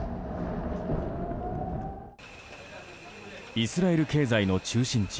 イスラエル経済の中心地